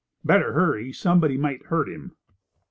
"Better hurry; somebody might hurt him."